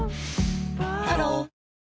ハロー